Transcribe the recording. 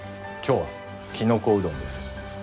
今日はきのこうどんです。